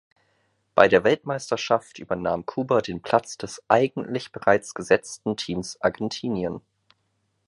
Bei der Weltmeisterschaft übernahm Kuba den Platz des eigentlich bereits gesetzten Teams Argentinien.